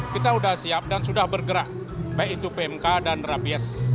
kita sudah siap dan sudah bergerak baik itu pmk dan rabies